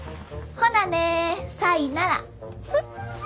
ほなねさいなら。